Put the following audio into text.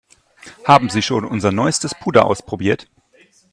Haben Sie schon unser neuestes Puder ausprobiert?